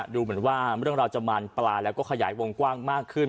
ดูเหมือนว่าเรื่องราวจะมันปลาแล้วก็ขยายวงกว้างมากขึ้น